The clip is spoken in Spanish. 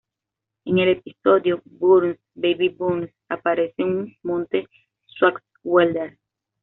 En el episodio "Burns, Baby Burns" aparece un "Monte Swartzwelder".